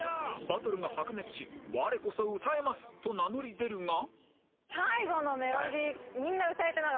バトルが白熱し「我こそ歌えます！」と名乗り出るが